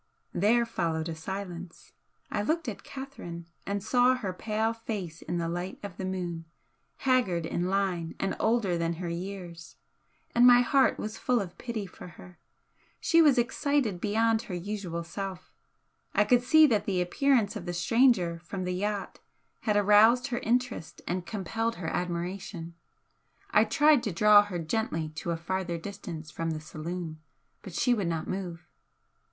There followed a silence. I looked at Catherine and saw her pale face in the light of the moon, haggard in line and older than her years, and my heart was full of pity for her. She was excited beyond her usual self I could see that the appearance of the stranger from the yacht had aroused her interest and compelled her admiration. I tried to draw her gently to a farther distance from the saloon, but she would not move.